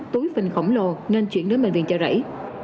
tối phình khổng lồ nên chuyển đến bệnh viện chở rẫy